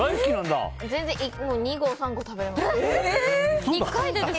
全然、２合３合食べれます。